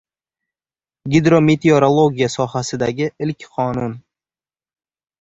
Gidrometeorologiya sohasidagi ilk qonun